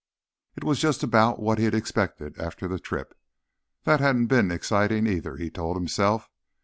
It was just about what he'd expected after the trip. That hadn't been exciting either, he told himself.